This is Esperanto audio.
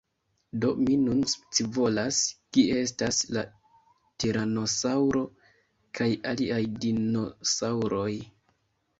Do, mi nun scivolas, kie estas la tiranosaŭro kaj aliaj dinosaŭroj